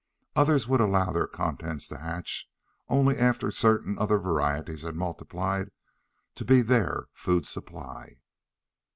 Others would allow their contents to hatch only after certain other varieties had multiplied to be their food supply.